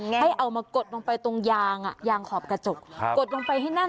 ให้เอามากดลงไปตรงยางยางขอบกระจกกดลงไปให้แน่น